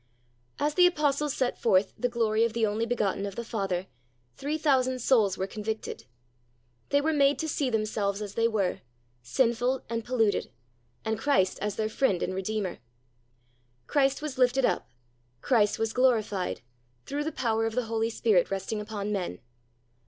As the apostles .set forth the glory of the Only Begotten of the Father, three thousand souls were convicted. They were made to see themselves as they were, sinful and polluted, and Christ as their friend and Redeemer. Christ was lifted up, Christ was glorified, through the power of the Holy Spirit resting upon men.